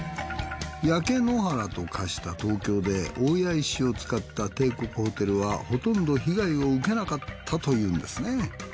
焼け野原と化した東京で大谷石を使った帝国ホテルはほとんど被害を受けなかったというんですね。